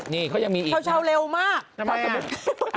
นี่เขายังมีอีกชาวเร็วมากทำไมล่ะ